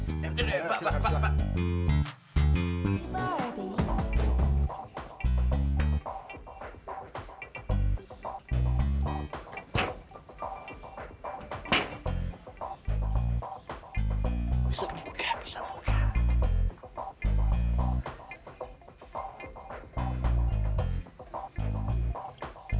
ya udah pak pak pak